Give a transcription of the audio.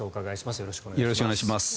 よろしくお願いします。